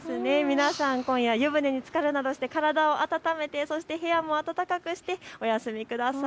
皆さん、今夜、湯船につかるなどして体を温めて、部屋も暖かくしてお休みください。